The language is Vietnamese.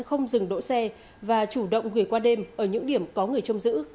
không dừng đỗ xe và chủ động gửi qua đêm ở những điểm có người trông giữ